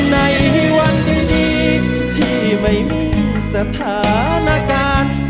ในวันดีที่ไม่มีสถานการณ์